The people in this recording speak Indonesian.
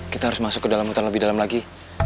kita harus masuk ke dalam hutan lebih dalam lagi